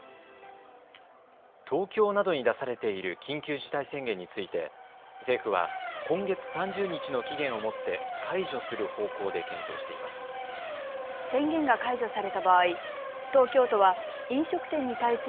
東京などに出されている緊急事態宣言について政府は今月３０日の期限をもって解除する方向で検討しています。